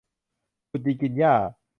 ขุดดินกินหญ้า